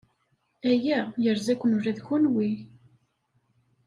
Aya yerza-ken ula d kenwi.